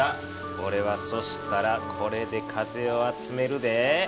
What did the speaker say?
おれはそしたらこれで風を集めるで。